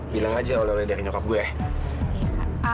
bilang aja oleh oleh dari nyokap gue